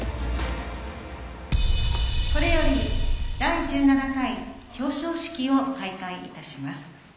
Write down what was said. ・これより第１７回表彰式を開会いたします。